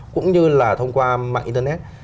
cũng như là thông qua mạng internet